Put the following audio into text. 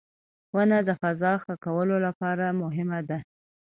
• ونه د فضا ښه کولو لپاره مهمه ده.